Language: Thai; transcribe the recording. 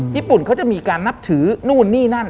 ญี่ปุ่นเขาจะมีการนับถือนู่นนี่นั่น